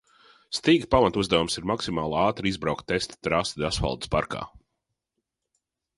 Stiga pamatuzdevums ir maksimāli ātri izbraukt testa trasi Dasfoldas parkā.